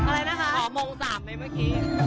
อะไรนะคะขอโมงสามไหมเมื่อกี้